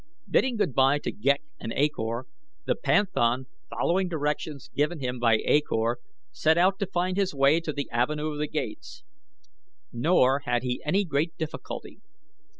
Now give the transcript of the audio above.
Bidding good bye to Ghek and A Kor, the panthan, following directions given him by A Kor, set out to find his way to the Avenue of Gates, nor had he any great difficulty.